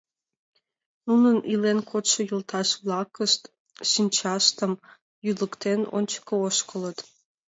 Нунын илен кодшо йолташ-влакышт, шинчаштым йӱлыктен, ончыко ошкылыт.